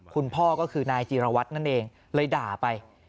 คุณพ่อก็คือนายจีรวัตรนั่นเองเลยด่าไป